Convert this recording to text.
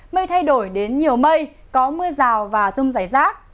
mây thay đổi đến nhiều mây có mưa rào và thông giải rác